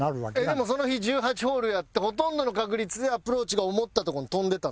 でもその日１８ホールやってほとんどの確率でアプローチが思ったとこに飛んでたのよ。